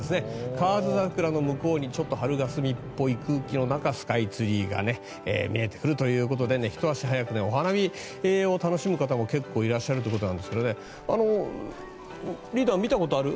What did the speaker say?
カワヅザクラの向こうにちょっと春霞っぽい空気の中スカイツリーが見えてくるということでひと足早くお花見を楽しむ方も結構いらっしゃるということでリーダー、見たことある？